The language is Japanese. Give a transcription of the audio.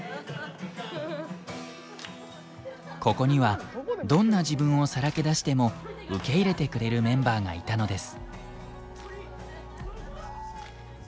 ここにはどんな自分をさらけ出しても受け入れてくれるメンバーがいたのです。